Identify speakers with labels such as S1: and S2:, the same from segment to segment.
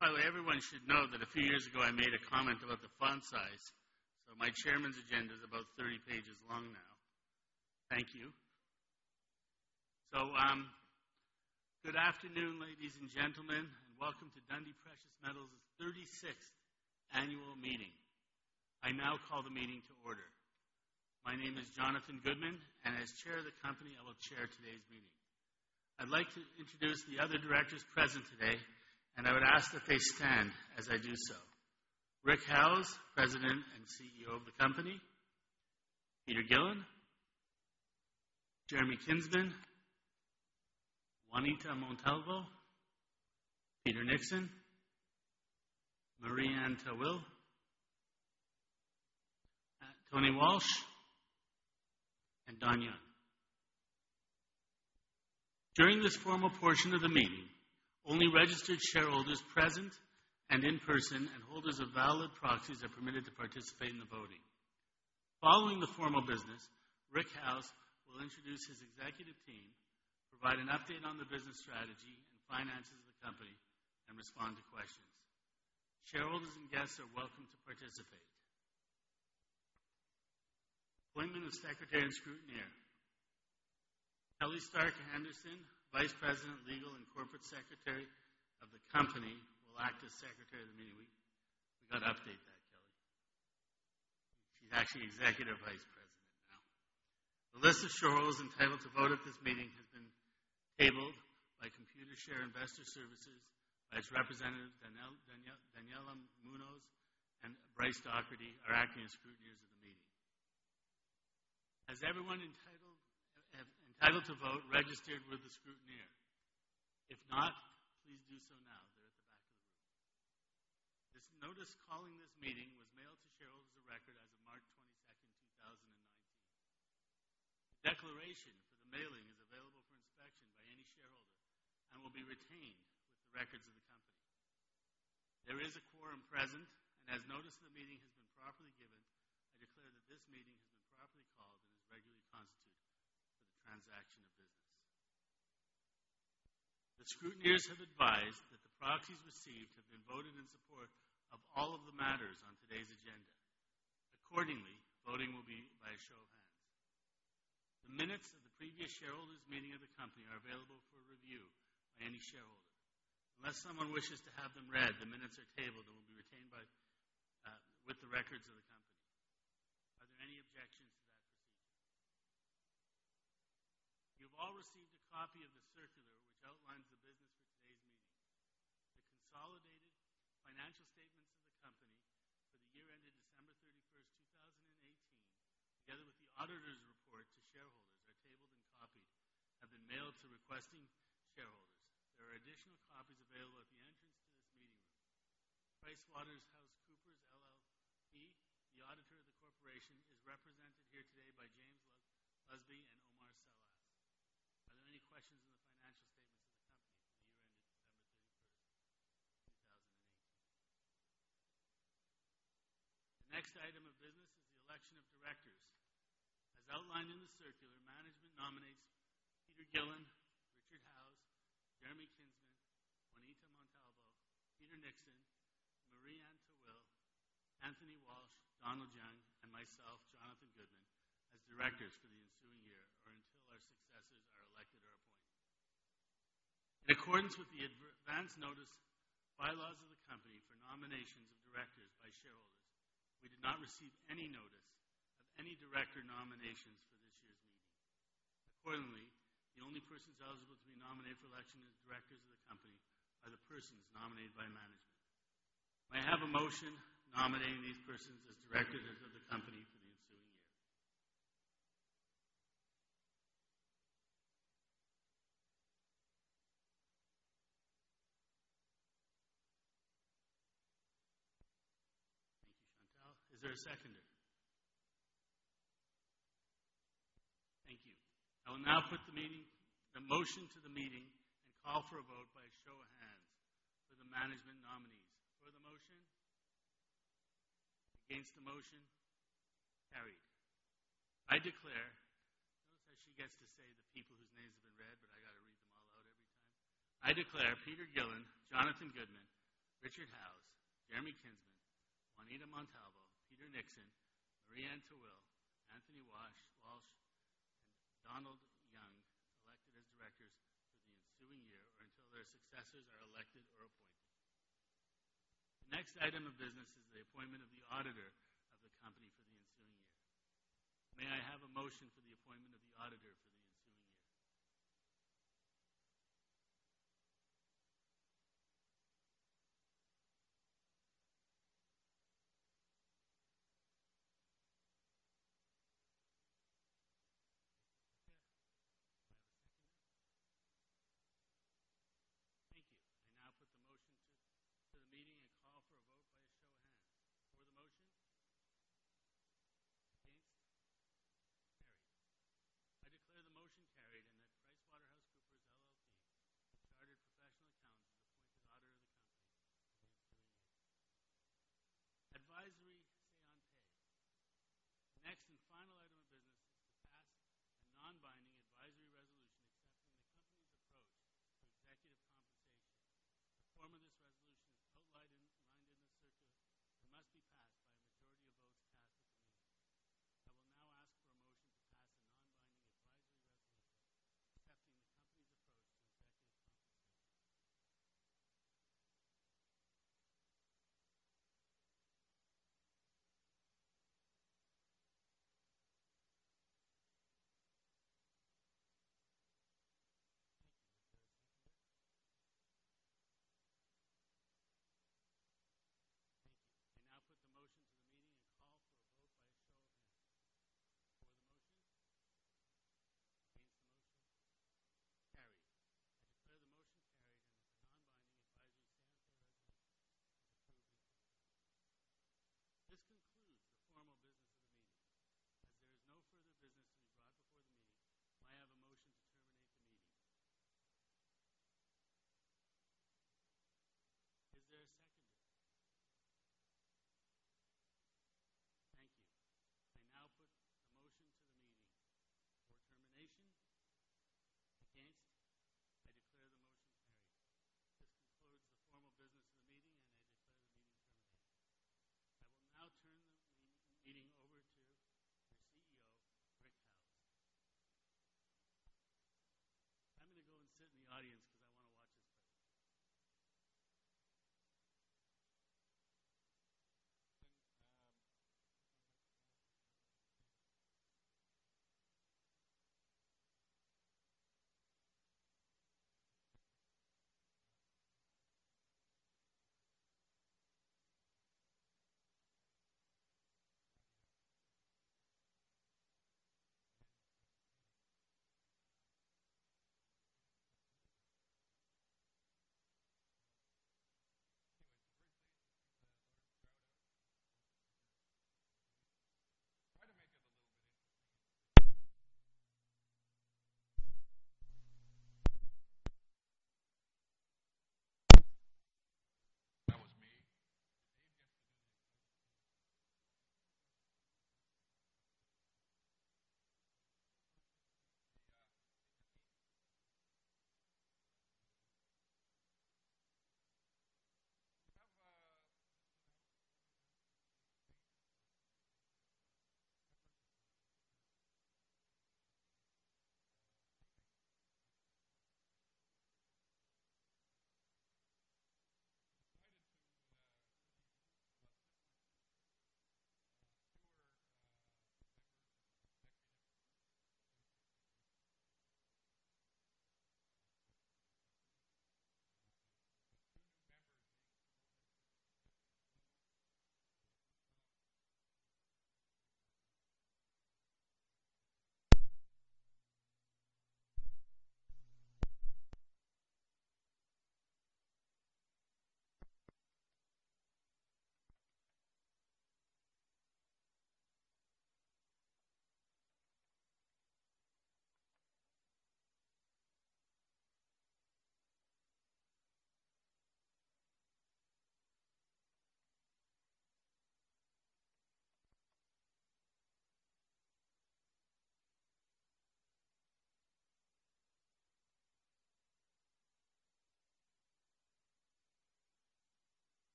S1: By the way, everyone should know that a few years ago, I made a comment about the font size. My chairman's agenda is about 30 pages long now. Thank you. Good afternoon, ladies and gentlemen, and welcome to Dundee Precious Metals' 36th annual meeting. I now call the meeting to order. My name is Jonathan Goodman, and as Chair of the company, I will chair today's meeting. I'd like to introduce the other directors present today, and I would ask that they stand as I do so. Rick Howes, President and CEO of the company, Peter Gillin, Jeremy Kinsman, Juanita Montalvo, Peter Nixon, Marie-Anne Tawil, Tony Walsh, and Don Young. During this formal portion of the meeting, only registered shareholders present and in person and holders of valid proxies are permitted to participate in the voting. Following the formal business, Rick Howes will introduce his executive team, provide an update on the business strategy and finances of the company, and respond to questions. Shareholders and guests are welcome to participate. Appointment of Secretary and Scrutineer. Kelly Stark-Anderson, Vice President, Legal and Corporate Secretary of the company, will act as Secretary of the meeting. We've got to update that, Kelly. She's actually Executive Vice President now. The list of shareholders entitled to vote at this meeting has been tabled by Computershare Investor Services as representatives Daniela Munoz and Bryce Dougherty are acting as Scrutineers of the meeting. Has everyone entitled to vote registered with the Scrutineer? If not, please do so now. They're at the back of the room. This notice calling this meeting was mailed to shareholders of record as of March 22nd, 2019. Declaration for the mailing is available for inspection by any shareholder and will be retained with the records of the company. There is a quorum present, and as notice of the meeting has been properly given, I declare that this meeting has been properly called and is regularly constituted for the transaction of business. The Scrutineers have advised that the proxies received have been voted in support of all of the matters on today's agenda. Accordingly, voting will be by a show of hands. The minutes of the previous shareholders meeting of the company are available for review by any shareholder. Unless someone wishes to have them read, the minutes are tabled and will be retained with the records of the company. Are there any objections to that procedure? You've all received a copy of the circular, which outlines the business for today's meeting. The consolidated financial statements of the company for the year ended December 31st, 2018, together with the auditor's report to shareholders are tabled and copied, have been mailed to requesting shareholders. There are additional copies available at the entrance to this meeting room. PricewaterhouseCoopers LLP, the auditor of the corporation, is represented here today by James Lusby and Omar Salas. Are there any questions on the financial statements of the company for the year ended December 31st, 2018? The next item of business is the election of directors. As outlined in the circular, management nominates Peter Gillin, Rick Howes, Jeremy Kinsman, Juanita Montalvo, Peter Nixon, Marie-Anne Tawil, Anthony Walsh, Donald Young, and myself, Jonathan Goodman, as directors for the ensuing year or until our successors are elected or appointed. In accordance with the advanced notice bylaws of the company for nominations of directors by shareholders, we did not receive any notice of any director nominations for this year's meeting. Accordingly, the only persons eligible to be nominated for election as directors of the company are the persons nominated by management. May I have a motion nominating these persons as directors of the company for the ensuing year? Thank you, Shantel. Is there a seconder? Thank you. I will now put the motion to the meeting and call for a vote by a show of hands for the management nominees. For the motion? Against the motion? Carried. I notice that she gets to say the people whose names have been read, but I got to read them all out every time. I declare Peter Gillin, Jonathan Goodman, Richard Howes, Jeremy Kinsman, Juanita Montalvo, Peter Nixon, Marie-Anne Tawil, Anthony Walsh, and Donald Young, elected as directors for the ensuing year or until their successors are elected or appointed. The next item of business is the appointment of the auditor of the company for the ensuing year. May I have a motion for the appointment of the auditor for the ensuing year?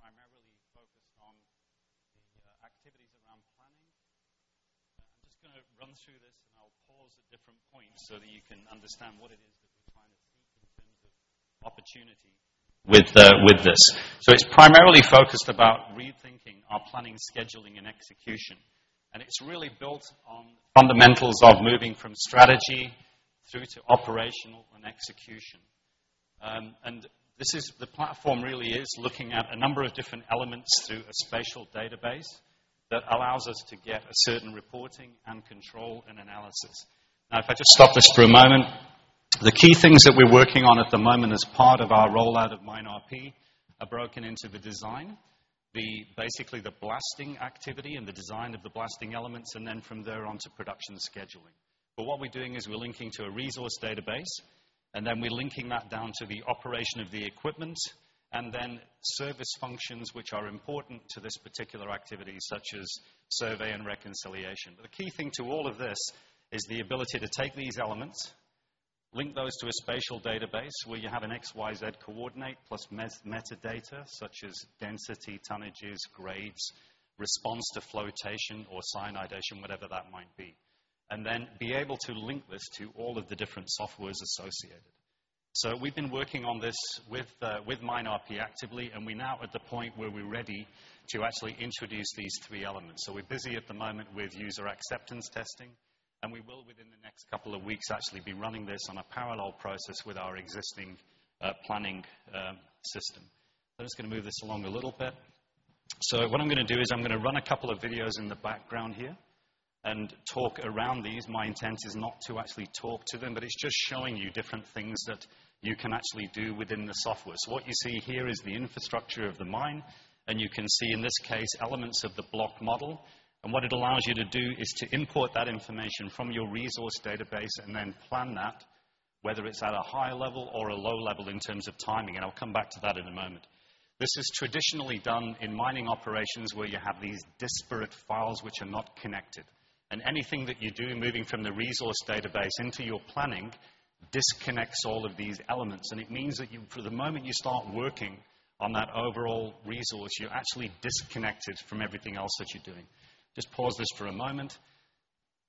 S2: activity. If we look at MineRP, which is primarily focused on the activities around planning. I'm just going to run through this and I'll pause at different points so that you can understand what it is that we're trying to seek in terms of opportunity with this. It's primarily focused about rethinking our planning, scheduling, and execution, and it's really built on the fundamentals of moving from strategy through to operational and execution. The platform really is looking at a number of different elements through a spatial database that allows us to get a certain reporting and control and analysis. Now, if I just stop this for a moment, the key things that we're working on at the moment as part of our rollout of MineRP are broken into the design, basically the blasting activity and the design of the blasting elements, and then from there on to production scheduling. What we're doing is we're linking to a resource database, and then we're linking that down to the operation of the equipment, and then service functions which are important to this particular activity, such as survey and reconciliation. The key thing to all of this is the ability to take these elements, link those to a spatial database where you have an XYZ coordinate plus metadata such as density, tonnages, grades, response to flotation or cyanidation, whatever that might be, and then be able to link this to all of the different softwares associated. We've been working on this with MineRP actively, and we're now at the point where we're ready to actually introduce these three elements. We're busy at the moment with user acceptance testing, and we will within the next couple of weeks actually be running this on a parallel process with our existing planning system. I'm just going to move this along a little bit. What I'm going to do is I'm going to run a couple of videos in the background here and talk around these. My intent is not to actually talk to them, but it's just showing you different things that you can actually do within the software. What you see here is the infrastructure of the mine, and you can see, in this case, elements of the block model. What it allows you to do is to import that information from your resource database and then plan that, whether it is at a high level or a low level in terms of timing. I will come back to that in a moment. This is traditionally done in mining operations where you have these disparate files which are not connected. Anything that you do moving from the resource database into your planning disconnects all of these elements, and it means that for the moment you start working on that overall resource, you are actually disconnected from everything else that you are doing. Just pause this for a moment.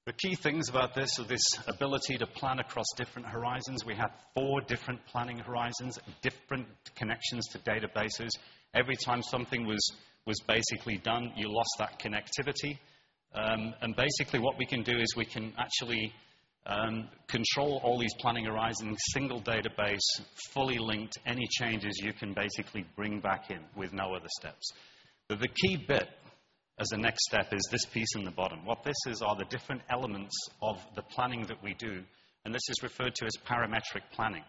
S2: The key things about this are this ability to plan across different horizons. We have four different planning horizons, different connections to databases. Every time something was basically done, you lost that connectivity. Basically, what we can do is we can actually control all these planning horizons, single database, fully linked. Any changes you can basically bring back in with no other steps. The key bit as a next step is this piece in the bottom. What this is are the different elements of the planning that we do, and this is referred to as parametric planning.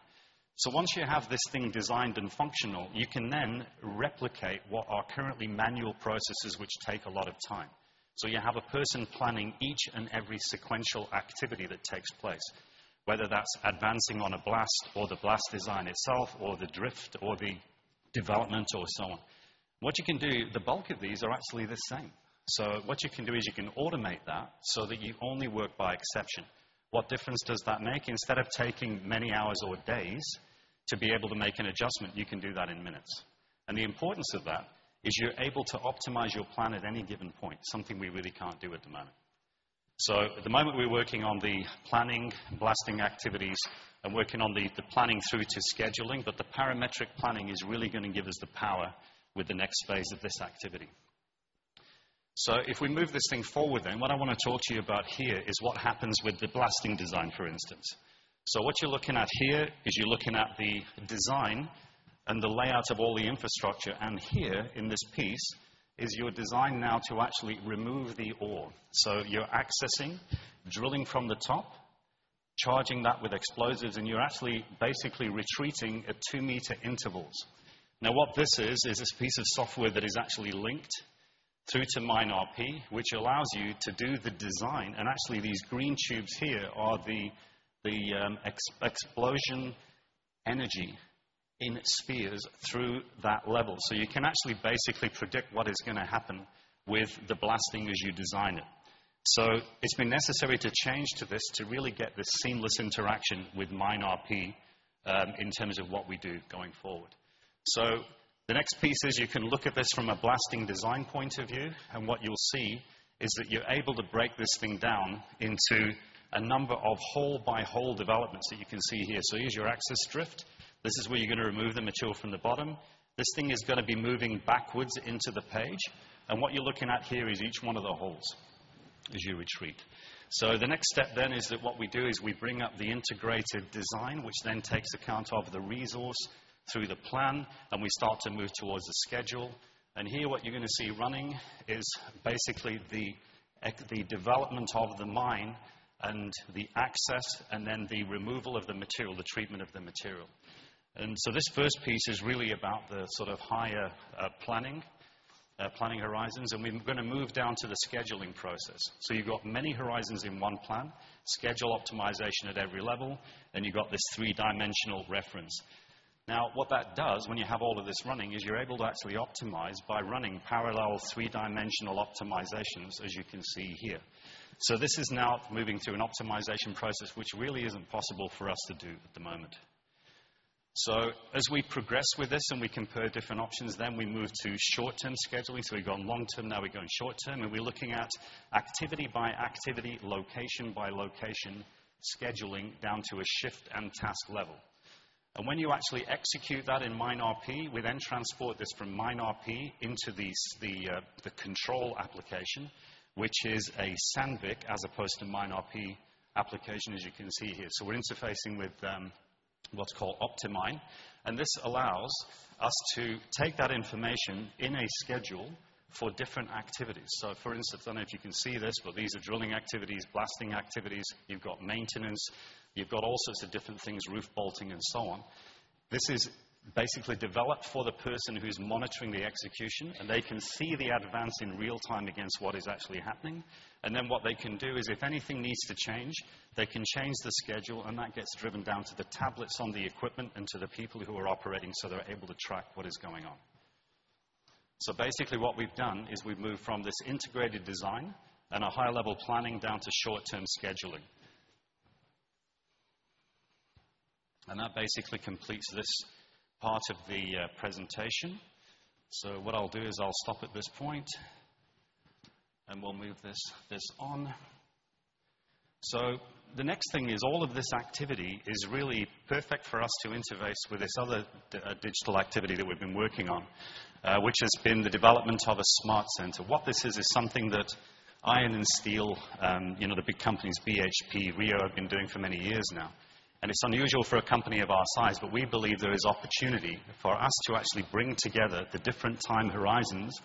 S2: Once you have this thing designed and functional, you can then replicate what are currently manual processes which take a lot of time. You have a person planning each and every sequential activity that takes place, whether that is advancing on a blast or the blast design itself, or the drift or the development or so on. What you can do, the bulk of these are actually the same. What you can do is you can automate that so that you only work by exception. What difference does that make? Instead of taking many hours or days to be able to make an adjustment, you can do that in minutes. The importance of that is you are able to optimize your plan at any given point, something we really cannot do at the moment. At the moment, we are working on the planning, blasting activities and working on the planning through to scheduling. The parametric planning is really going to give us the power with the next phase of this activity. If we move this thing forward, what I want to talk to you about here is what happens with the blasting design, for instance. What you are looking at here is you are looking at the design and the layout of all the infrastructure. Here in this piece is your design now to actually remove the ore. You are accessing, drilling from the top, charging that with explosives. You are actually basically retreating at 2-meter intervals. What this is this piece of software that is actually linked through to MineRP, which allows you to do the design. Actually, these green tubes here are the explosion energy in spheres through that level. You can actually basically predict what is going to happen with the blasting as you design it. It has been necessary to change to this to really get this seamless interaction with MineRP in terms of what we do going forward. The next piece is you can look at this from a blasting design point of view. What you'll see is that you're able to break this thing down into a number of hole-by-hole developments that you can see here. Here's your access drift. This is where you're going to remove the material from the bottom. This thing is going to be moving backwards into the page. What you're looking at here is each one of the holes as you retreat. The next step is that what we do is we bring up the integrated design, which takes account of the resource through the plan, we start to move towards the schedule. Here what you're going to see running is basically the development of the mine and the access, the removal of the material, the treatment of the material. This first piece is really about the sort of higher planning horizons, we're going to move down to the scheduling process. You've got many horizons in one plan, schedule optimization at every level, you've got this three-dimensional reference. What that does when you have all of this running is you're able to actually optimize by running parallel three-dimensional optimizations, as you can see here. This is now moving to an optimization process, which really isn't possible for us to do at the moment. As we progress with this, we compare different options, we move to short-term scheduling. We've gone long-term, now we're going short-term, we're looking at activity-by-activity, location-by-location scheduling down to a shift and task level. When you actually execute that in MineRP, we transport this from MineRP into the control application, which is a Sandvik as opposed to MineRP application, as you can see here. We're interfacing with what's called OptiMine. This allows us to take that information in a schedule for different activities. For instance, I don't know if you can see this, these are drilling activities, blasting activities. You've got maintenance. You've got all sorts of different things, roof bolting and so on. This is basically developed for the person who's monitoring the execution. They can see the advance in real time against what is actually happening. What they can do is if anything needs to change, they can change the schedule. That gets driven down to the tablets on the equipment and to the people who are operating, they're able to track what is going on. Basically what we've done is we've moved from this integrated design and a high-level planning down to short-term scheduling. That basically completes this part of the presentation. What I'll do is I'll stop at this point, we'll move this on. The next thing is all of this activity is really perfect for us to interface with this other digital activity that we've been working on, which has been the development of a smart center. What this is something that iron and steel, the big companies, BHP, Rio, have been doing for many years now. It's unusual for a company of our size, but we believe there is opportunity for us to actually bring together the different time horizons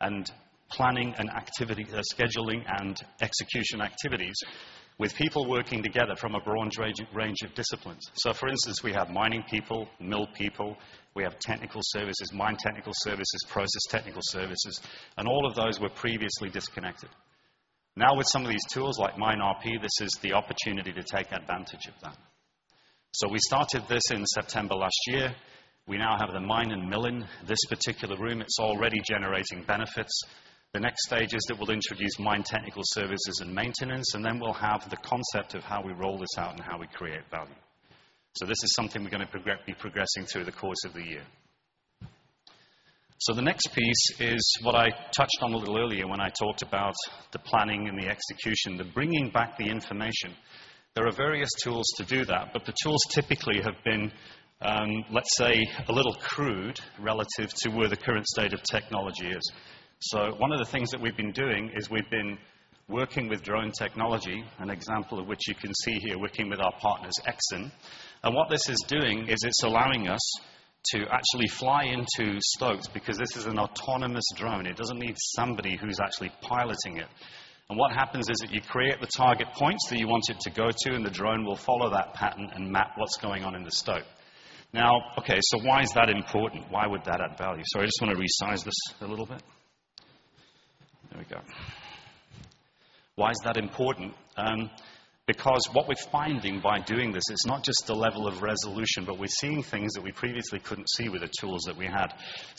S2: and planning and activity, scheduling and execution activities with people working together from a broad range of disciplines. For instance, we have mining people, mill people, we have technical services, mine technical services, process technical services, and all of those were previously disconnected. With some of these tools like MineRP, this is the opportunity to take advantage of that. We started this in September last year. We now have the mine and mill in this particular room. It's already generating benefits. The next stage is that we'll introduce mine technical services and maintenance, and then we'll have the concept of how we roll this out and how we create value. This is something we're going to be progressing through the course of the year. The next piece is what I touched on a little earlier when I talked about the planning and the execution, the bringing back the information. There are various tools to do that, but the tools typically have been, let's say, a little crude relative to where the current state of technology is. One of the things that we've been doing is we've been working with drone technology, an example of which you can see here, working with our partners, Exyn. What this is doing is it's allowing us to actually fly into stopes because this is an autonomous drone. It doesn't need somebody who's actually piloting it. What happens is that you create the target points that you want it to go to, and the drone will follow that pattern and map what's going on in the stope. Why is that important? Why would that add value? Sorry, I just want to resize this a little bit. There we go. Why is that important? What we're finding by doing this, it's not just the level of resolution, but we're seeing things that we previously couldn't see with the tools that we had.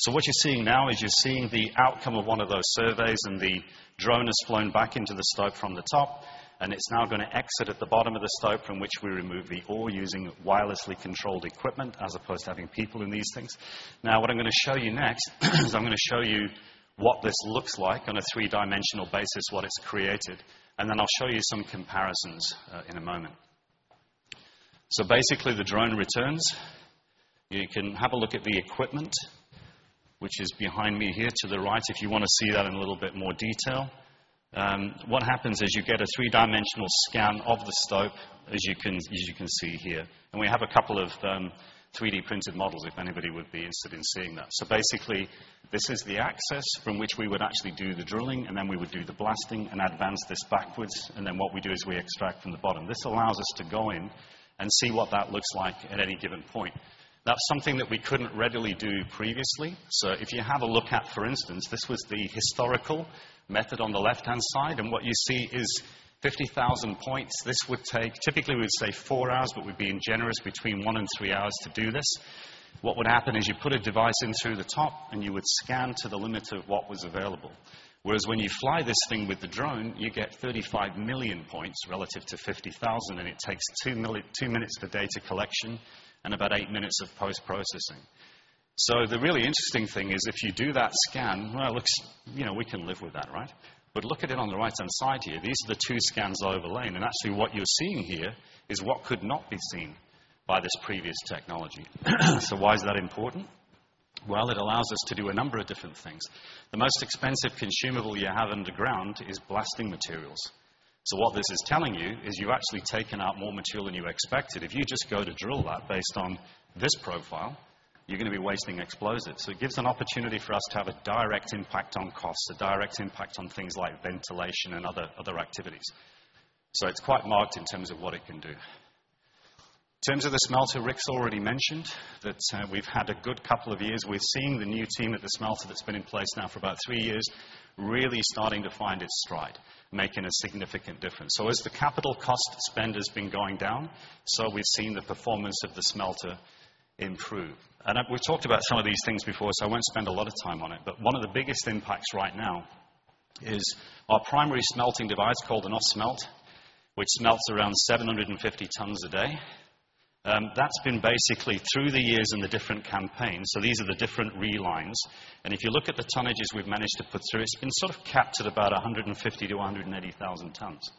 S2: What you're seeing now is you're seeing the outcome of one of those surveys, and the drone has flown back into the stope from the top, and it's now going to exit at the bottom of the stope from which we remove the ore using wirelessly controlled equipment as opposed to having people in these things. What I'm going to show you next is I'm going to show you what this looks like on a three-dimensional basis, what it's created, and then I'll show you some comparisons in a moment. The drone returns. You can have a look at the equipment, which is behind me here to the right, if you want to see that in a little bit more detail. What happens is you get a three-dimensional scan of the stope, as you can see here. We have a couple of 3D-printed models if anybody would be interested in seeing that. This is the access from which we would actually do the drilling, and then we would do the blasting and advance this backwards. What we do is we extract from the bottom. This allows us to go in and see what that looks like at any given point. That's something that we couldn't readily do previously. If you have a look at, for instance, this was the historical method on the left-hand side, and what you see is 50,000 points. This would take, typically we'd say four hours, but we're being generous, between one and three hours to do this. What would happen is you put a device in through the top, and you would scan to the limits of what was available. Whereas when you fly this thing with the drone, you get 35 million points relative to 50,000, and it takes two minutes for data collection and about eight minutes of post-processing. The really interesting thing is if you do that scan. We can live with that, right? Look at it on the right-hand side here. These are the two scans overlain. Actually, what you're seeing here is what could not be seen by this previous technology. Why is that important? It allows us to do a number of different things. The most expensive consumable you have underground is blasting materials. What this is telling you is you've actually taken out more material than you expected. If you just go to drill that based on this profile, you're going to be wasting explosives. It gives an opportunity for us to have a direct impact on costs, a direct impact on things like ventilation and other activities. It's quite marked in terms of what it can do. In terms of the smelter, Rick's already mentioned that we've had a good couple of years. We've seen the new team at the smelter that's been in place now for about three years, really starting to find its stride, making a significant difference. As the capital cost spend has been going down, we've seen the performance of the smelter improve. We've talked about some of these things before, I won't spend a lot of time on it. One of the biggest impacts right now is our primary smelting device called an Ausmelt, which smelts around 750 tons a day. That's been basically through the years in the different campaigns. These are the different relines. If you look at the tonnages we've managed to put through, it's been sort of capped at about 150 to 180,000 tons.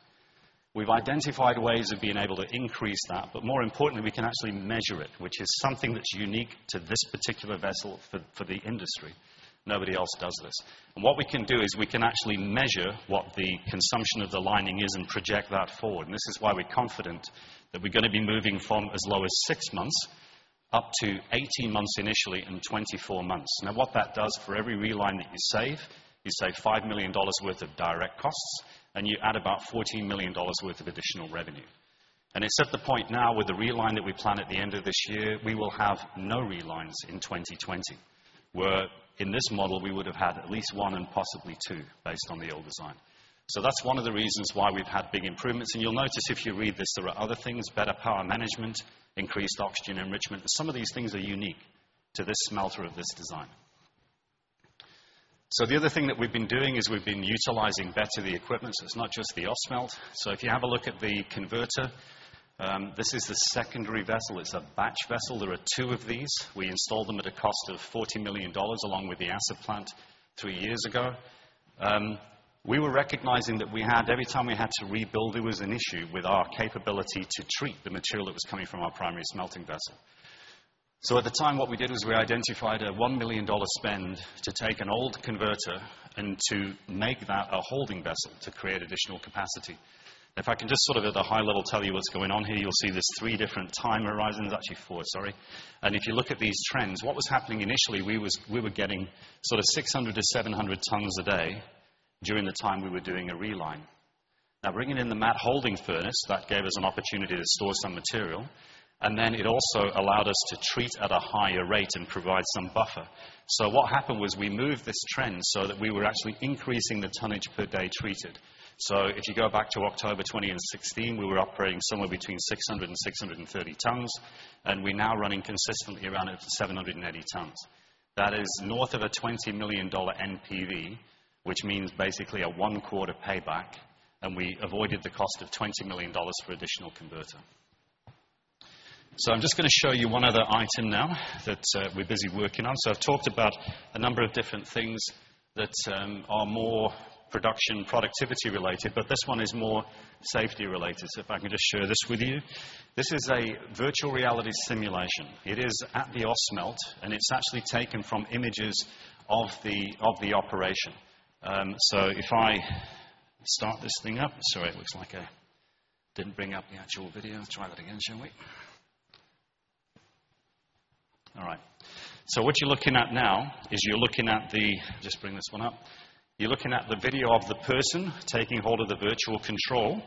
S2: We've identified ways of being able to increase that, but more importantly, we can actually measure it, which is something that's unique to this particular vessel for the industry. Nobody else does this. What we can do is we can actually measure what the consumption of the lining is and project that forward. This is why we're confident that we're going to be moving from as low as six months up to 18 months initially and 24 months. What that does for every reline that you save, you save 5 million dollars worth of direct costs, and you add about 14 million dollars worth of additional revenue. It's at the point now with the reline that we plan at the end of this year, we will have no relines in 2020. Where in this model, we would have had at least one and possibly two based on the old design. That's one of the reasons why we've had big improvements. You'll notice if you read this, there are other things, better power management, increased oxygen enrichment. Some of these things are unique to this smelter of this design. The other thing that we've been doing is we've been utilizing better the equipment. It's not just the Ausmelt. If you have a look at the converter, this is the secondary vessel. It's a batch vessel. There are two of these. We installed them at a cost of 40 million dollars along with the acid plant three years ago. We were recognizing that every time we had to rebuild, there was an issue with our capability to treat the material that was coming from our primary smelting vessel. At the time, what we did was we identified a 1 million dollar spend to take an old converter and to make that a holding vessel to create additional capacity. If I can just sort of at a high level tell you what's going on here, you'll see there's three different time horizons. Actually four, sorry. If you look at these trends, what was happening initially, we were getting sort of 600 to 700 tons a day during the time we were doing a reline. Now, bringing in the matte holding furnace, that gave us an opportunity to store some material. It also allowed us to treat at a higher rate and provide some buffer. What happened was we moved this trend so that we were actually increasing the tonnage per day treated. If you go back to October 2016, we were operating somewhere between 600 and 630 tons, and we're now running consistently around at 780 tons. That is north of a 20 million dollar NPV, which means basically a one-quarter payback. We avoided the cost of 20 million dollars for additional converter. I'm just going to show you one other item now that we're busy working on. I've talked about a number of different things that are more production, productivity related, but this one is more safety related. If I can just share this with you. This is a virtual reality simulation. It is at the Ausmelt, and it's actually taken from images of the operation. If I start this thing up. Sorry, it looks like I didn't bring up the actual video. Try that again, shall we? All right. What you're looking at now is you're looking at the. Just bring this one up. You're looking at the video of the person taking hold of the virtual control.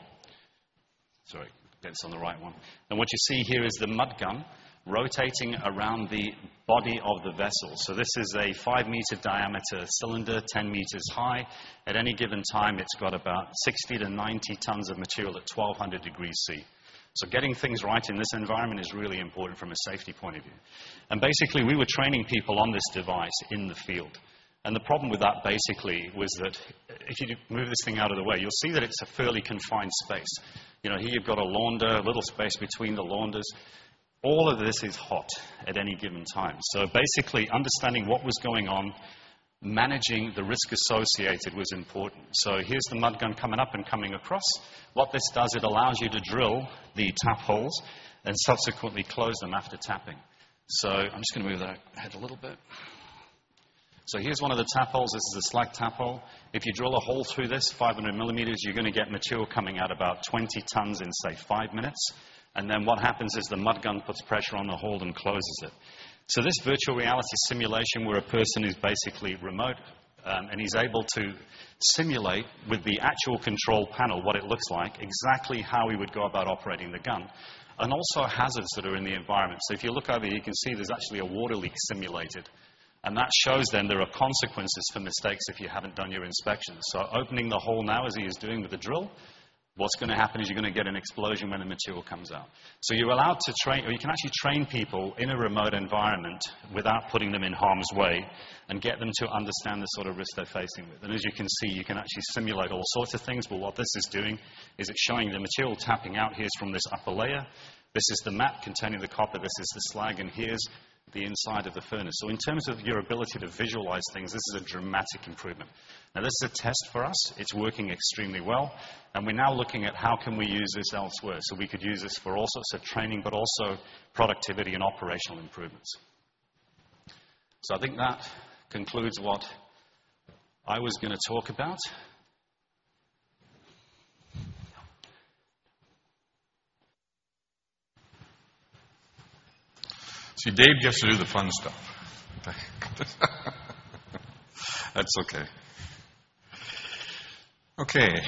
S2: Sorry, that's on the right one. What you see here is the mud gun rotating around the body of the vessel. This is a five-meter diameter cylinder, 10 meters high. At any given time, it's got about 60 to 90 tons of material at 1,200 degrees C. Getting things right in this environment is really important from a safety point of view. Basically, we were training people on this device in the field. The problem with that basically was that if you move this thing out of the way, you'll see that it's a fairly confined space. Here, you've got a launder, a little space between the launders. All of this is hot at any given time. Basically, understanding what was going on, managing the risk associated was important. Here's the mud gun coming up and coming across. What this does, it allows you to drill the tap holes and subsequently close them after tapping. I'm just going to move that head a little bit. Here's one of the tap holes. This is a slack tap hole. If you drill a hole through this 500 millimeters, you're going to get material coming out about 20 tons in, say, five minutes. What happens is the mud gun puts pressure on the hole and closes it. This virtual reality simulation where a person is basically remote, and he's able to simulate with the actual control panel what it looks like, exactly how he would go about operating the gun, and also hazards that are in the environment. If you look over here, you can see there's actually a water leak simulated, and that shows then there are consequences for mistakes if you haven't done your inspections. Opening the hole now as he is doing with the drill, what's going to happen is you're going to get an explosion when the material comes out. You can actually train people in a remote environment without putting them in harm's way and get them to understand the sort of risk they're facing. As you can see, you can actually simulate all sorts of things. What this is doing is it's showing the material tapping out here from this upper layer. This is the matte containing the copper. This is the slag, and here's the inside of the furnace. In terms of your ability to visualize things, this is a dramatic improvement. Now, this is a test for us. It's working extremely well, and we're now looking at how can we use this elsewhere. We could use this for all sorts of training, but also productivity and operational improvements. I think that concludes what I was going to talk about. See, Dave gets to do the fun stuff. That's okay. Okay.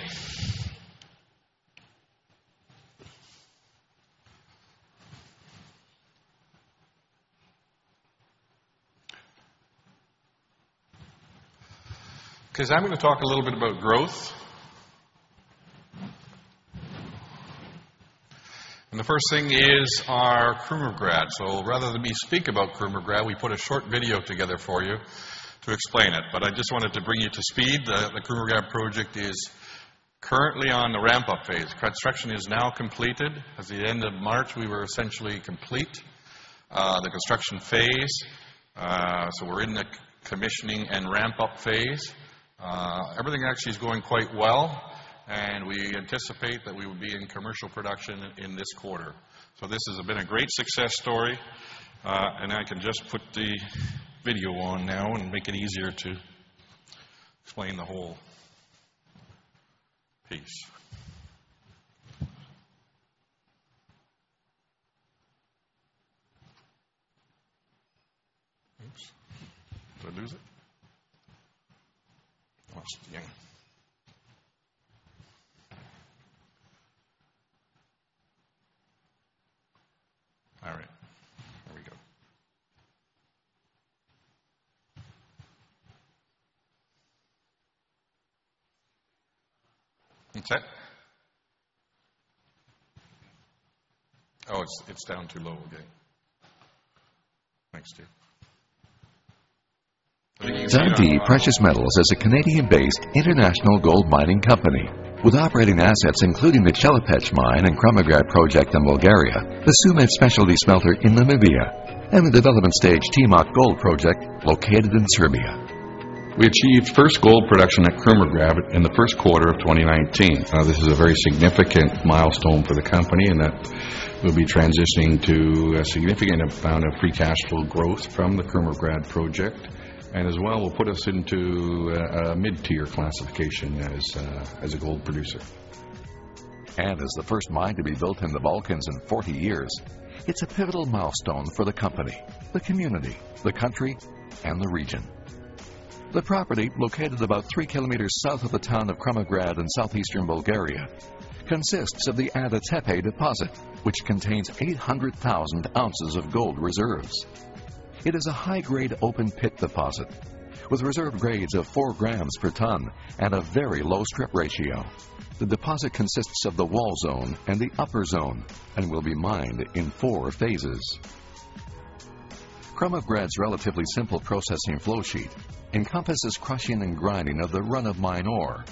S2: Okay, I'm going to talk a little bit about growth. The first thing is our Krumovgrad. Rather than me speak about Krumovgrad, we put a short video together for you to explain it. I just wanted to bring you to speed. The Krumovgrad project is currently on the ramp-up phase. Construction is now completed. At the end of March, we were essentially complete the construction phase, so we're in the commissioning and ramp-up phase. Everything actually is going quite well, and we anticipate that we will be in commercial production in this quarter. This has been a great success story, and I can just put the video on now and make it easier to explain the whole piece. Oops. Did I lose it? Oh, it's beginning. All right, here we go. Okay. Oh, it's down too low again. Thanks, Dave.
S3: Dundee Precious Metals is a Canadian-based international gold mining company with operating assets including the Chelopech Mine and Krumovgrad project in Bulgaria, the Tsumeb specialty smelter in Namibia, and the development stage Timok Gold project located in Serbia.
S2: We achieved first gold production at Krumovgrad in the first quarter of 2019. This is a very significant milestone for the company, and that we'll be transitioning to a significant amount of free cash flow growth from the Krumovgrad project, and as well will put us into a mid-tier classification as a gold producer.
S3: As the first mine to be built in the Balkans in 40 years, it's a pivotal milestone for the company, the community, the country, and the region. The property, located about three kilometers south of the town of Krumovgrad in southeastern Bulgaria, consists of the Ada Tepe deposit, which contains 800,000 ounces of gold reserves. It is a high-grade open-pit deposit with reserve grades of four grams per ton and a very low strip ratio. The deposit consists of the wall zone and the upper zone and will be mined in four phases. Krumovgrad's relatively simple processing flow sheet encompasses crushing and grinding of the run of mine ore,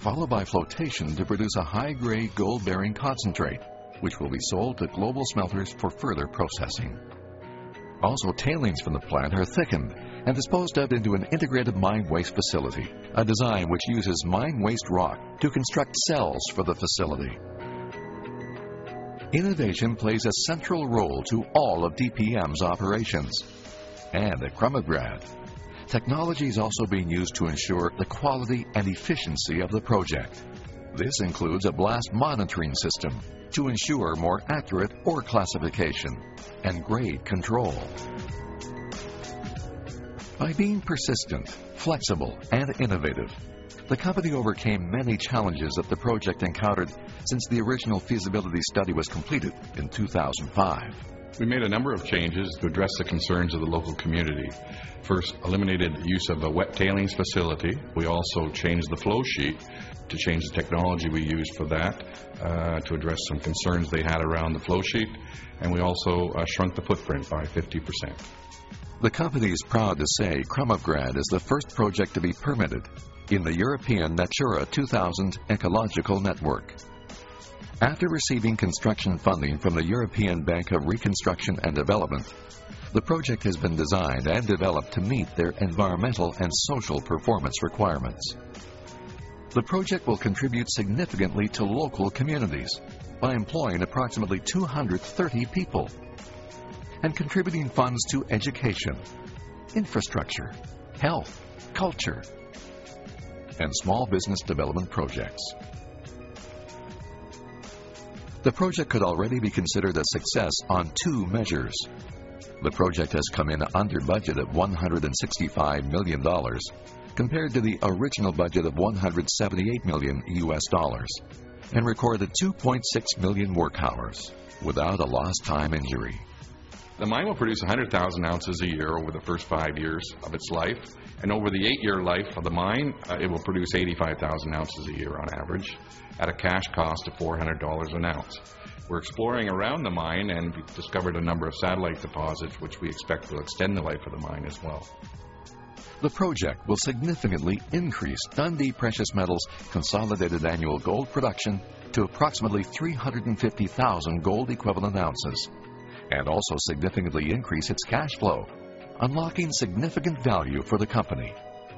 S3: followed by flotation to produce a high-grade gold-bearing concentrate, which will be sold to global smelters for further processing. Also, tailings from the plant are thickened and disposed of into an integrated mine waste facility, a design which uses mine waste rock to construct cells for the facility. Innovation plays a central role to all of DPM's operations. At Krumovgrad, technology is also being used to ensure the quality and efficiency of the project. This includes a blast monitoring system to ensure more accurate ore classification and grade control. By being persistent, flexible, and innovative, the company overcame many challenges that the project encountered since the original feasibility study was completed in 2005.
S4: We made a number of changes to address the concerns of the local community. First, we eliminated use of the wet tailings facility. We also changed the flow sheet to change the technology we use for that to address some concerns they had around the flow sheet. We also shrunk the footprint by 50%.
S3: The company is proud to say Krumovgrad is the first project to be permitted in the European Natura 2000 ecological network. After receiving construction funding from the European Bank for Reconstruction and Development, the project has been designed and developed to meet their environmental and social performance requirements. The project will contribute significantly to local communities by employing approximately 230 people and contributing funds to education, infrastructure, health, culture, and small business development projects. The project could already be considered a success on two measures. The project has come in under budget at 165 million dollars compared to the original budget of CAD 178 million and recorded 2.6 million work hours without a lost time injury.
S4: The mine will produce 100,000 ounces a year over the first five years of its life. Over the eight-year life of the mine, it will produce 85,000 ounces a year on average at a cash cost of 400 dollars an ounce. We're exploring around the mine, and we've discovered a number of satellite deposits which we expect will extend the life of the mine as well.
S3: The project will significantly increase Dundee Precious Metals' consolidated annual gold production to approximately 350,000 gold equivalent ounces, and also significantly increase its cash flow, unlocking significant value for the company,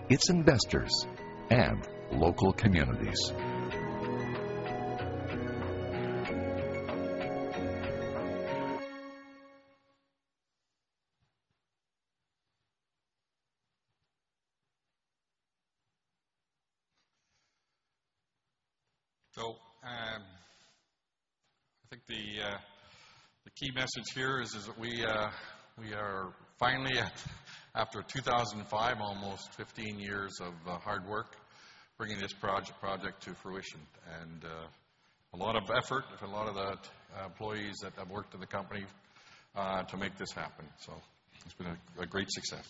S3: its investors, and local communities.
S4: I think the key message here is that we are finally at, after 2005, almost 15 years of hard work, bringing this project to fruition. A lot of effort, a lot of the employees that have worked in the company to make this happen. It's been a great success.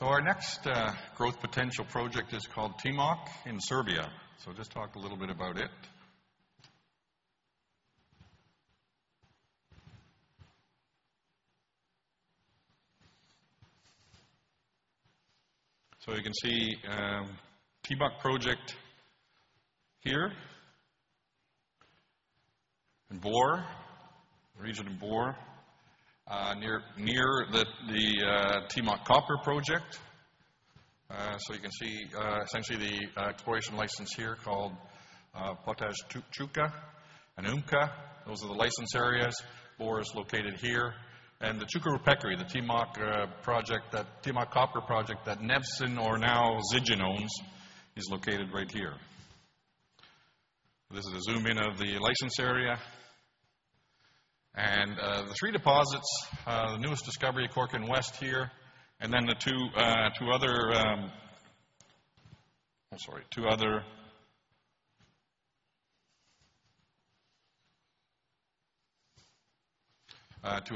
S4: We'll listen to that. Our next growth potential project is called Timok in Serbia. Just talk a little bit about it. You can see Timok project here in Bor, the region in Bor, near the Timok Copper Project. You can see essentially the exploration license here called Potaj Čuka and Umka. Those are the license areas. Bor is located here. The Čukaru Peki, the Timok Copper Project that Nevsun or now Zijin owns is located right here. This is a zoom-in of the license area and the three deposits, the newest discovery, Korkan West here, and then the two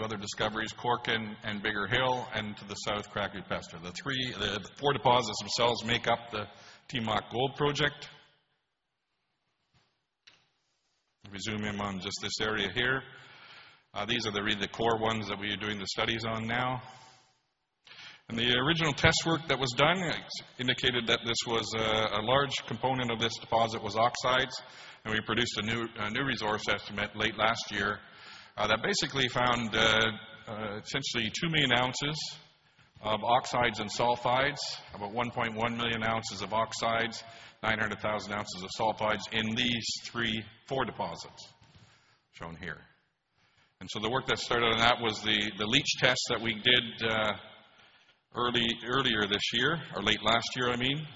S4: other discoveries, Korkan and Bigar Hill, and to the south, Kraku Pešter. The four deposits themselves make up the Timok Gold Project. Let me zoom in on just this area here. These are really the core ones that we are doing the studies on now. The original test work that was done indicated that a large component of this deposit was oxides, and we produced a new resource estimate late last year that basically found essentially 2 million ounces of oxides and sulfides, about 1.1 million ounces of oxides, 900,000 ounces of sulfides in these four deposits shown here. The work that started on that was the leach test that we did earlier this year or late last year, I mean,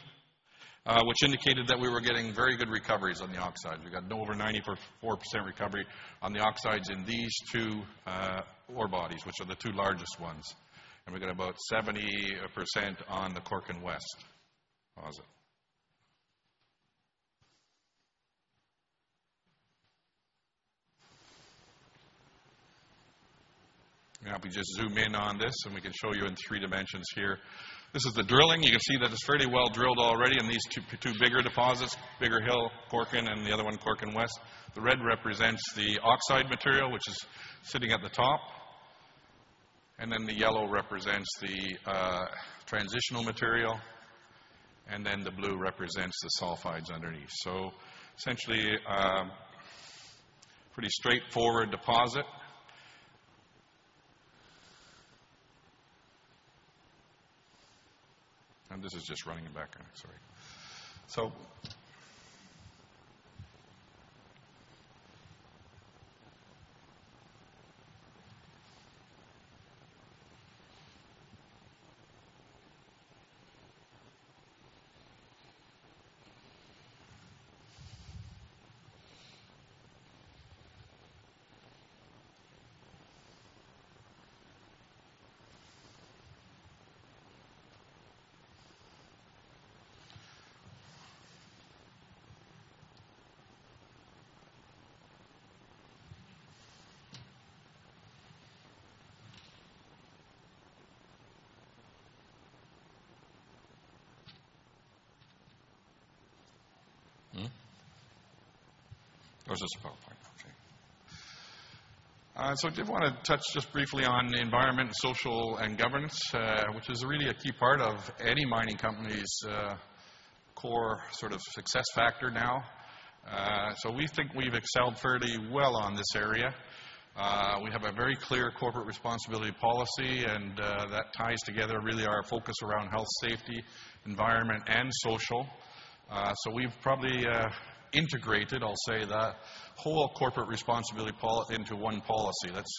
S4: which indicated that we were getting very good recoveries on the oxides. We got over 94% recovery on the oxides in these two ore bodies, which are the two largest ones. We got about 70% on the Korkan West deposit. If we just zoom in on this and we can show you in three dimensions here. This is the drilling. You can see that it's fairly well drilled already in these two bigger deposits, Bigar Hill, Korkan, and the other one, Korkan West. The red represents the oxide material, which is sitting at the top, and then the yellow represents the transitional material, and then the blue represents the sulfides underneath. Essentially a pretty straightforward deposit. This is just running in the background. Sorry. Is this a PowerPoint? Okay. I did want to touch just briefly on the environment, social, and governance, which is really a key part of any mining company's core success factor now. We think we've excelled fairly well in this area. We have a very clear corporate responsibility policy, and that ties together really our focus around health, safety, environment, and social. We've probably integrated, I'll say that, whole corporate responsibility into one policy. That's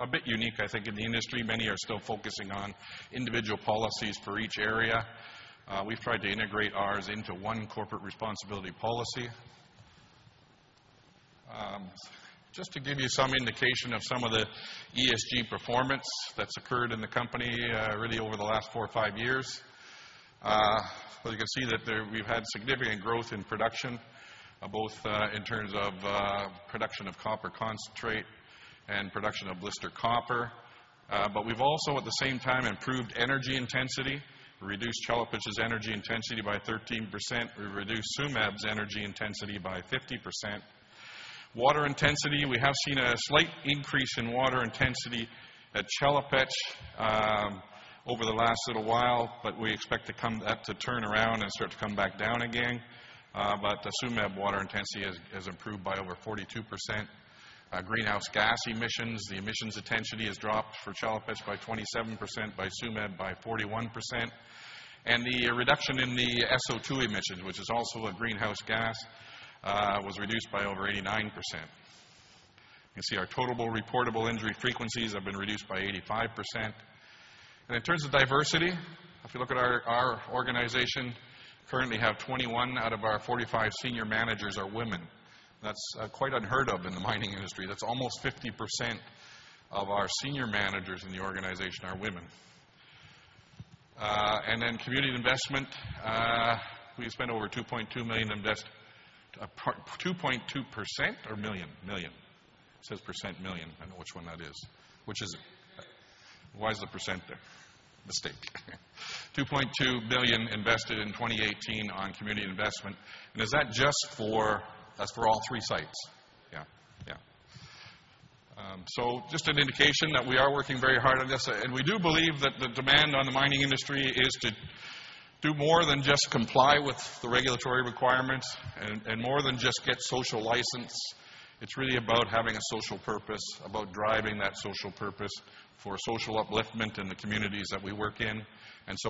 S4: a bit unique, I think, in the industry. Many are still focusing on individual policies for each area. We've tried to integrate ours into one corporate responsibility policy. Just to give you some indication of some of the ESG performance that's occurred in the company, really over the last four or five years. As you can see that we've had significant growth in production, both in terms of production of copper concentrate and production of blister copper. We've also at the same time improved energy intensity, reduced Chelopech's energy intensity by 13%. We've reduced Tsumeb's energy intensity by 50%. Water intensity, we have seen a slight increase in water intensity at Chelopech over the last little while, but we expect that to turn around and start to come back down again. The Tsumeb water intensity has improved by over 42%. Greenhouse gas emissions, the emissions intensity has dropped for Chelopech by 27%, by Tsumeb by 41%. The reduction in the SO2 emissions, which is also a greenhouse gas, was reduced by over 89%. You can see our totalable reportable injury frequencies have been reduced by 85%. In terms of diversity, if you look at our organization, currently have 21 out of our 45 senior managers are women. That's quite unheard of in the mining industry. That's almost 50% of our senior managers in the organization are women. Then community investment, we spent over 2.2 million invest 2.2% or million? Million. It says percent million. I know which one that is. Which is it?
S2: Million.
S4: Why is the percent there? Mistake. 2.2 million invested in 2018 on community investment. Is that just for That's for all three sites. Yeah. Just an indication that we are working very hard on this, we do believe that the demand on the mining industry is to do more than just comply with the regulatory requirements and more than just get social license. It's really about having a social purpose, about driving that social purpose for social upliftment in the communities that we work in.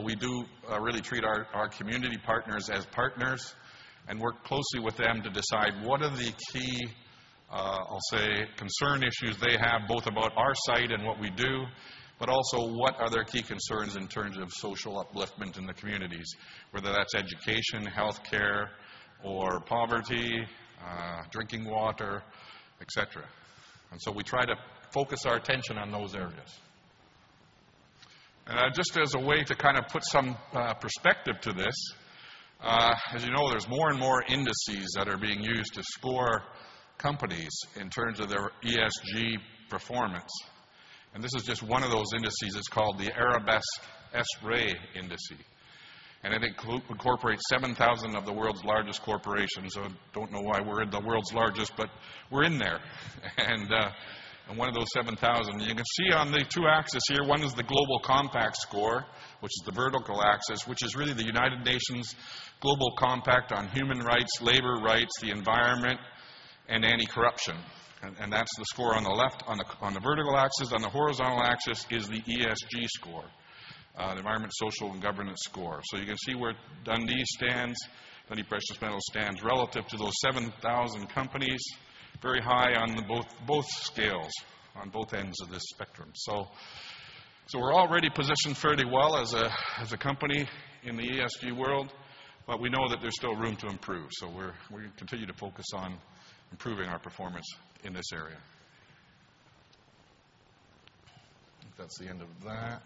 S4: We do really treat our community partners as partners and work closely with them to decide what are the key, I'll say, concern issues they have, both about our site and what we do, but also what are their key concerns in terms of social upliftment in the communities, whether that's education, healthcare or poverty, drinking water, et cetera. We try to focus our attention on those areas. Just as a way to kind of put some perspective to this, as you know, there's more and more indices that are being used to score companies in terms of their ESG performance. This is just one of those indices. It's called the Arabesque S-Ray Index, I think it incorporates 7,000 of the world's largest corporations. I don't know why we're in the world's largest, but we're in there, in one of those 7,000. You can see on the two axes here, one is the global compact score, which is the vertical axis, which is really the United Nations Global Compact on human rights, labor rights, the environment, and anti-corruption. That's the score on the left, on the vertical axis. On the horizontal axis is the ESG score, the environmental, social, and governance score. You can see where Dundee Precious Metals stands relative to those 7,000 companies, very high on both scales, on both ends of this spectrum. We're already positioned fairly well as a company in the ESG world, but we know that there's still room to improve, so we're continuing to focus on improving our performance in this area. I think that's the end of that.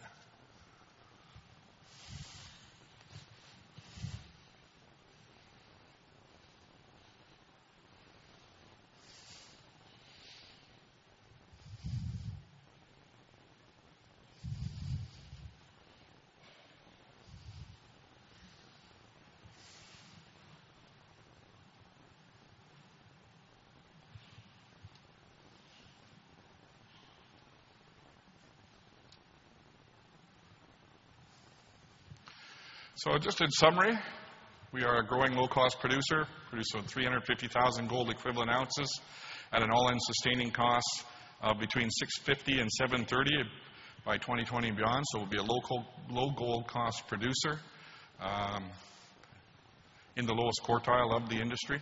S4: Just in summary, we are a growing low-cost producer, producing 350,000 gold equivalent ounces at an all-in sustaining cost of between 650 and 730 by 2020 and beyond. We'll be a low gold cost producer in the lowest quartile of the industry.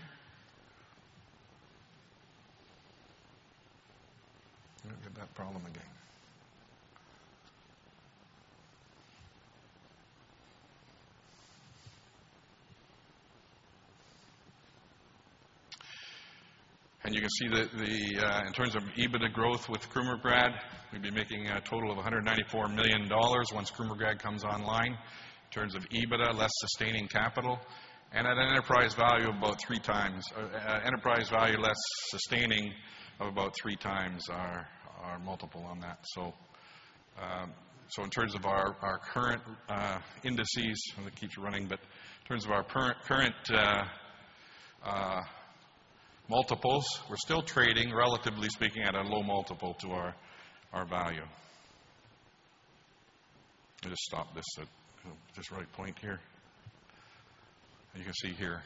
S4: You can see that in terms of EBITDA growth with Krumovgrad, we'd be making a total of 194 million dollars once Krumovgrad comes online, in terms of EBITDA, less sustaining capital, and at an enterprise value less sustaining of about three times our multiple on that. In terms of our current indices, I'm going to keep running, but in terms of our current multiples, we're still trading, relatively speaking, at a low multiple to our value. I'll just stop this at this right point here. You can see here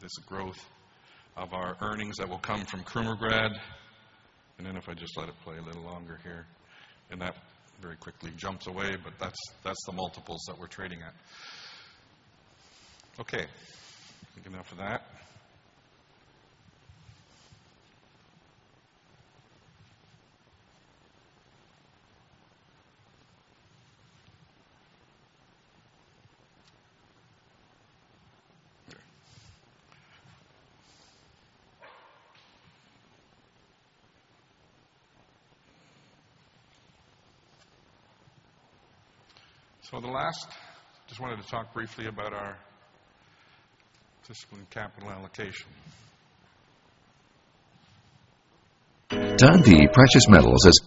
S4: this growth of our earnings that will come from Krumovgrad. Then if I just let it play a little longer here, that very quickly jumps away, but that's the multiples that we're trading at. Okay, I think enough of that. The last, just wanted to talk briefly about our disciplined capital allocation.
S3: Dundee Precious Metals is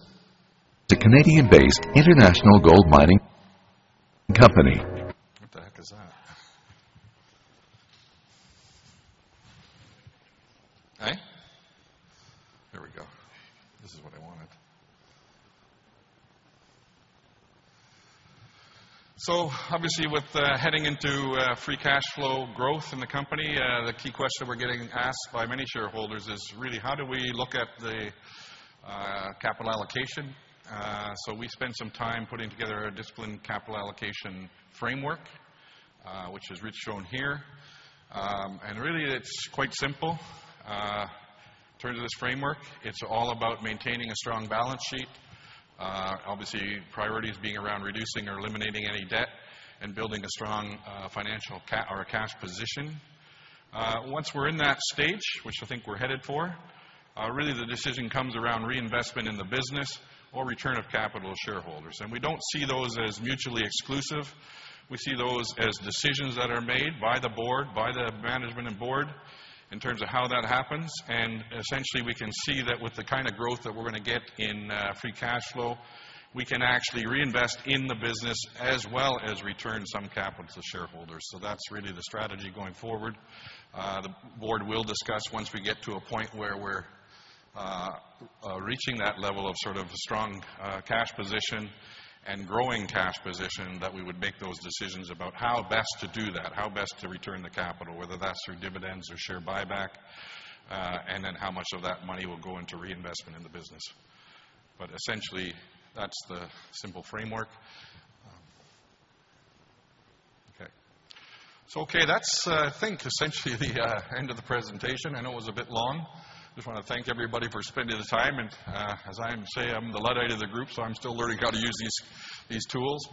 S3: a Canadian-based international gold mining company.
S4: What the heck is that? Okay. There we go. This is what I wanted. Obviously with heading into free cash flow growth in the company, the key question we're getting asked by many shareholders is really how do we look at the capital allocation? We spent some time putting together a disciplined capital allocation framework, which is shown here. Really it's quite simple. In terms of this framework, it's all about maintaining a strong balance sheet. Obviously, priorities being around reducing or eliminating any debt and building a strong financial or a cash position. Once we're in that stage, which I think we're headed for, really the decision comes around reinvestment in the business or return of capital to shareholders. We don't see those as mutually exclusive. We see those as decisions that are made by the management and board in terms of how that happens. Essentially, we can see that with the kind of growth that we're going to get in free cash flow, we can actually reinvest in the business as well as return some capital to shareholders. That's really the strategy going forward. The board will discuss once we get to a point where we're reaching that level of sort of a strong cash position and growing cash position, that we would make those decisions about how best to do that, how best to return the capital, whether that's through dividends or share buyback, and then how much of that money will go into reinvestment in the business. Essentially, that's the simple framework. Okay. Okay, that's I think essentially the end of the presentation. I know it was a bit long. Just want to thank everybody for spending the time, and, as I say, I'm the Luddite of the group, so I'm still learning how to use these tools.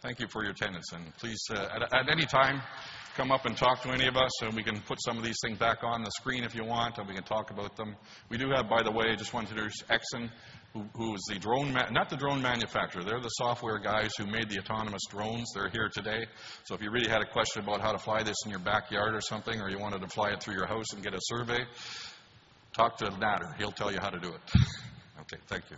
S4: Thank you for your attendance, and please, at any time, come up and talk to any of us, and we can put some of these things back on the screen if you want, and we can talk about them. We do have, by the way, I just wanted to introduce Exyn, who is the drone Not the drone manufacturer. They're the software guys who made the autonomous drones. They're here today. If you really had a question about how to fly this in your backyard or something, or you wanted to fly it through your house and get a survey, talk to Nader, He'll tell you how to do it. Okay, thank you.